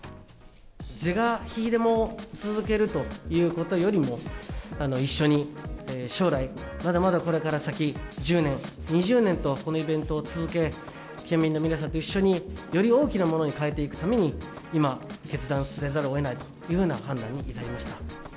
是が非でも続けるということよりも、一緒に将来、まだまだこれから先、１０年、２０年と、このイベントを続け、県民の皆さんと一緒に、より大きなものに変えていくために、今、決断せざるをえないというふうな判断に至りました。